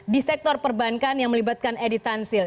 di sektor perbankan yang melibatkan edi tansil